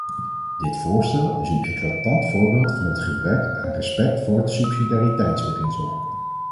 Dit voorstel is een eclatant voorbeeld van het gebrek aan respect voor het subsidiariteitsbeginsel.